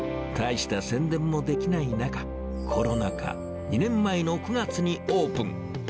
大した宣伝もできない中、コロナ禍、２年前の９月にオープン。